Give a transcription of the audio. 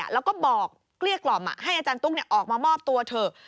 แล้วก็บอกเกลี้ยกล่อมให้อาจารย์ตุ๊กออกมามอบตัวเถอะ